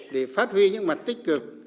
để phát huy những mặt tích cực